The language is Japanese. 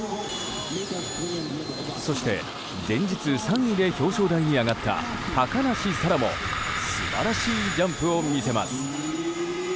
そして、前日３位で表彰台に上がった高梨沙羅も素晴らしいジャンプを見せます。